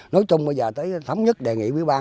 nói chung bây giờ tới thống nhất đề nghị quỹ ban